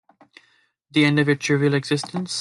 The end of your trivial existence?